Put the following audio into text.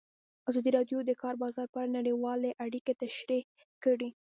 ازادي راډیو د د کار بازار په اړه نړیوالې اړیکې تشریح کړي.